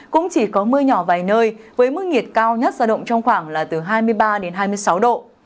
cũng chỉ có mưa nhỏ vài nơi với mức nhiệt cao nhất giao động trong khoảng là từ hai mươi ba đến hai mươi sáu độ